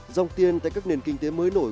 dòng tiền tại các nền kinh tế mới nổi